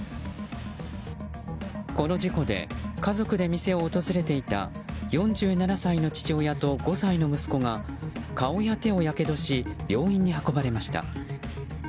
この事故で家族で店を訪れていた４７歳の父親と５歳の息子が顔や手をやけどし病院に運ばれました。